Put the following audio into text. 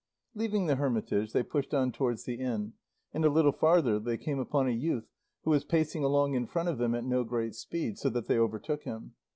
Leaving the hermitage, they pushed on towards the inn, and a little farther they came upon a youth who was pacing along in front of them at no great speed, so that they overtook him.